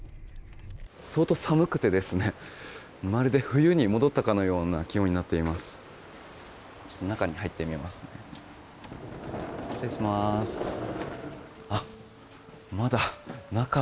相当、寒くてまるで冬に戻ったかのような気温になっています。